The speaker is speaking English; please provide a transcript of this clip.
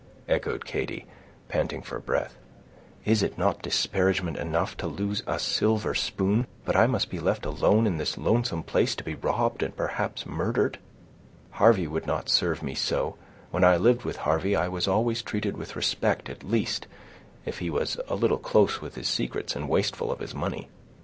echoed Katy, panting for breath. "Is it not disparagement enough to lose a silver spoon, but I must be left alone in this lonesome place, to be robbed, and perhaps murdered? Harvey would not serve me so; when I lived with Harvey, I was always treated with respect at least, if he was a little close with his secrets, and wasteful of his money."